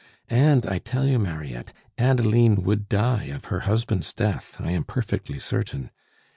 And, I tell you, Mariette, Adeline would die of her husband's death, I am perfectly certain.